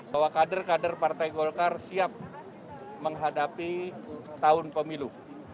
bahwa kader kader partai golkar siap menghadapi tahun pemilu